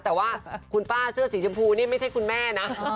แต่ว่าคุณป้าเสื้อสีชมพูนี่ไม่ใช่คุณแม่นะ